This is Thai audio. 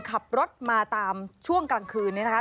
ขับรถมาตามช่วงกลางคืนนี้นะคะ